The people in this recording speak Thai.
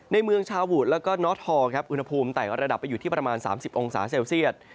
ในเมืองชาวูดแล้วก็นอทอครับอุณหภูมิไต่ระดับไปอยู่ที่ประมาณ๓๐องศาเซลเซียต